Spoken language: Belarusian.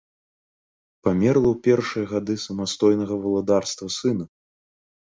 Памерла ў першыя гады самастойнага валадарства сына.